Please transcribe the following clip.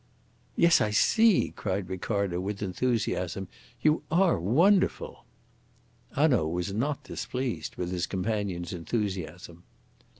"Yes, I see!" cried Ricardo, with enthusiasm. "You are wonderful." Hanaud was not displeased with his companion's enthusiasm.